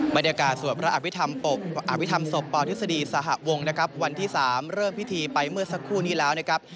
สวดพระอภิษฐรรมศพปทฤษฎีสหวงนะครับวันที่๓เริ่มพิธีไปเมื่อสักครู่นี้แล้วนะครับ